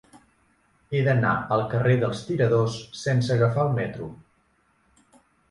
He d'anar al carrer dels Tiradors sense agafar el metro.